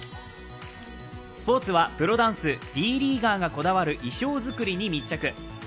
スポーツはプロダンスリーグ、Ｄリーガーがこだわる衣装作りに密着。